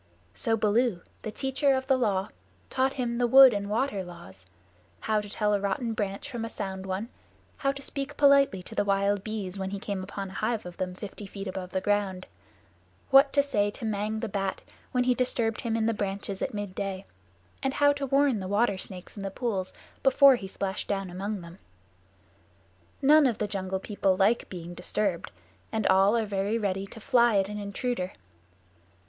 So Baloo, the Teacher of the Law, taught him the Wood and Water Laws: how to tell a rotten branch from a sound one; how to speak politely to the wild bees when he came upon a hive of them fifty feet above ground; what to say to Mang the Bat when he disturbed him in the branches at midday; and how to warn the water snakes in the pools before he splashed down among them. None of the Jungle People like being disturbed, and all are very ready to fly at an intruder.